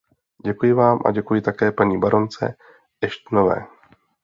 Děkuji vám a děkuji také paní baronce Ashtonové.